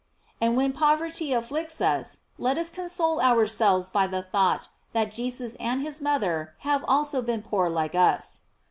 * And when pov erty afflicts us, let us console ourselves by the thought that Jesus and his mother have also been poor like us.